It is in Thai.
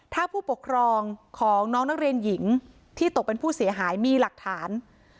ถ้าผู้ปกครองของน้องนักเรียนหญิงที่ตกเป็นผู้เสียหายมีหลักฐาน